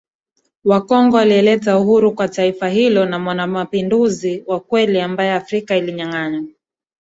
wa Kongo aliyeleta uhuru kwa Taifa hilo na Mwanamapinduzi wa kweli ambaye Afrika ilinyanganywa